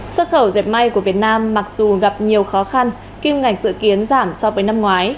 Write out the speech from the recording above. xuất khẩu dẹp may của việt nam mặc dù gặp nhiều khó khăn kim ngạch dự kiến giảm so với năm ngoái